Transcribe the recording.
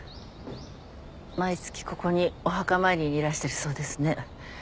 毎月ここにお墓参りにいらしてるそうですね。